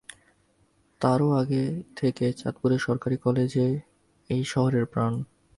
তারও আগে থেকে চাঁদপুর সরকারি কলেজ এই শহরের প্রাণ।